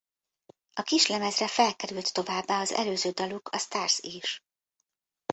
A kislemezre felkerült továbbá az előző daluk a Stars is.